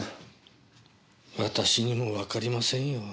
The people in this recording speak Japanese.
私にもわかりませんよ。